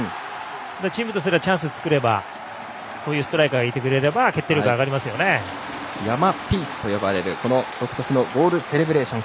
チームとすればチャンスを作れば、こういうストライカーがいてくれれば山ピースと呼ばれる独特のゴールセレブレーション